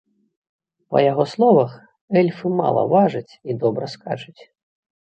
Па яго словах, эльфы мала важаць і добра скачуць.